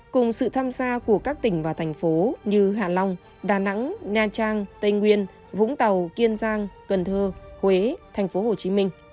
cùng sự tham gia của các tỉnh và thành phố như hạ long đà nẵng nha trang tây nguyên vũng tàu kiên giang cần thơ huế tp hcm